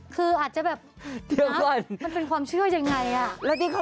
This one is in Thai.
คืออาจจะแบบมันเป็นความเชื่ออย่างไร